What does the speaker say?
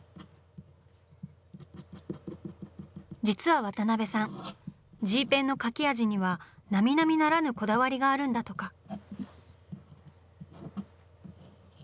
実は渡辺さんＧペンの描き味にはなみなみならぬこだわりがあるんだとか。